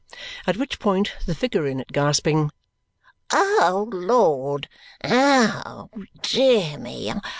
At which point the figure in it gasping, "O Lord! Oh, dear me!